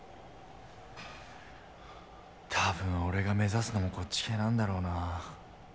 多分俺が目指すのもこっち系なんだろうなぁ。